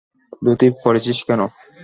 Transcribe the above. ধুতি পরেছিস কেন?